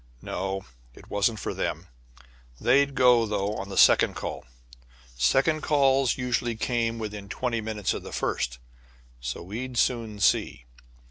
No, it wasn't for them. They'd go, though, on the second call. Second calls usually came within twenty minutes of the first, so we'd soon see.